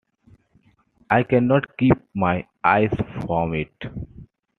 I cannot keep my eyes from it.